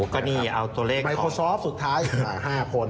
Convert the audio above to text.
ก็นี่เอาตัวเลขในโคซอฟต์สุดท้าย๕คน